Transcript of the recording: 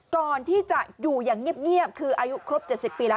ก่อนที่จะอยู่อย่างเงียบคืออายุครบ๗๐ปีแล้ว